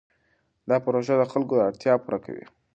دا پروژه د خلکو اړتیا پوره کوي.